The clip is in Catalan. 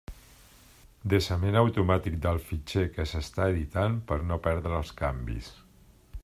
Desament automàtic del fitxer que s'està editant per no perdre els canvis.